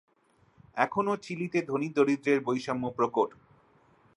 এখনও চিলিতে ধনী-দরিদ্রের বৈষম্য প্রকট।